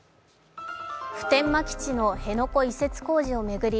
普天間基地の辺野古移設工事を巡り